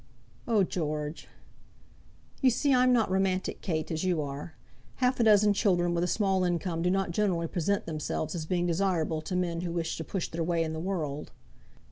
"Oh, George!" "You see I'm not romantic, Kate, as you are. Half a dozen children with a small income do not generally present themselves as being desirable to men who wish to push their way in the world."